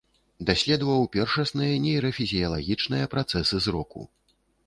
Даследаваў першасныя нейрафізіялагічныя працэсы зроку.